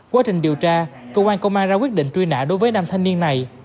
quá trình điều tra cơ quan công an ra quyết định truy nã đối với nam thanh niên này